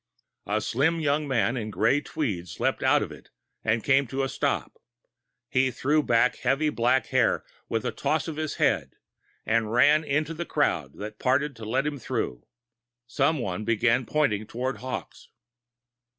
A slim young man in gray tweeds leaped out of it and came to a stop. He threw back heavy black hair with a toss of his head and ran into the crowd that parted to let him through. Someone began pointing towards Hawkes.